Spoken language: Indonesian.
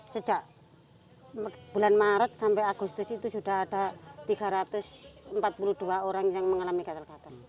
sejak bulan maret sampai agustus itu sudah ada tiga ratus empat puluh dua orang yang mengalami gatal gatal